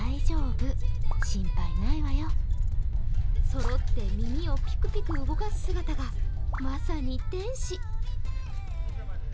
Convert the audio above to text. そろって耳をピクピク動かす姿がまさに天使。